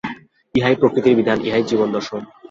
ইহাই প্রকৃতির বিধান, ইহাই জীবন-দর্শন।